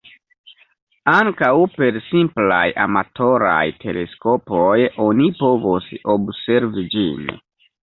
Ankaŭ per simplaj amatoraj teleskopoj oni povos observi ĝin.